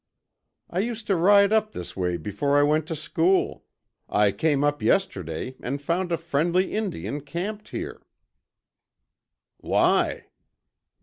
"I used to ride up this way before I went to school. I came up yesterday and found a friendly Indian camped here." "Why?"